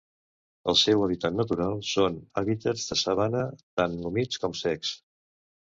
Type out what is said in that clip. El seu hàbitat natural són hàbitats de sabana tant humits com secs.